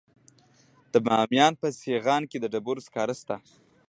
د بامیان په سیغان کې د ډبرو سکاره شته.